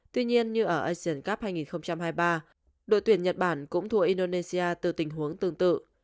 tuy nhiên như ở asian cup hai nghìn hai mươi ba đội tuyển nhật bản cũng thua indonesia từ tình huống tương tự